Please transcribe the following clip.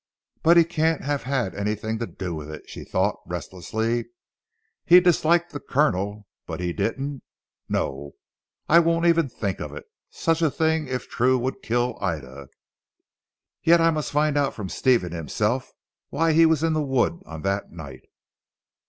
"But he can't have had anything to do with it," she thought restlessly, "he disliked the Colonel, but he didn't no, I won't even think of it! Such a thing if true, would kill Ida. Yet I must find out from Stephen himself why he was in the wood on that night."